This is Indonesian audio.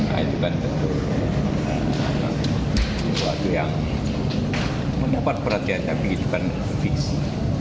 nah itu kan tentu itu yang mendapat perhatian tapi bukan fiksi